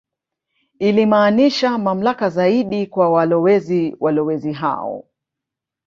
Ilimaanisha mamlaka zaidi kwa walowezi Walowezi hao